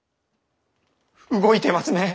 動いてますね！